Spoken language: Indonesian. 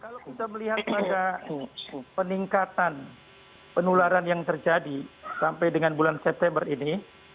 kalau kita melihat pada peningkatan penularan yang terjadi sampai dengan bulan september ini